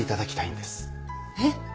えっ？